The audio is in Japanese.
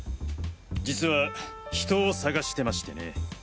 実は人を捜してましてね。